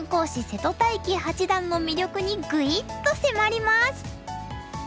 瀬戸大樹八段の魅力にグイッと迫ります！